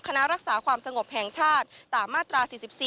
รักษาความสงบแห่งชาติตามมาตรา๔๔